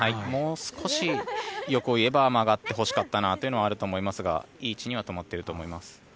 もう少し欲を言えば曲がってほしかったなというのはありますがいい位置には止まっていると思います。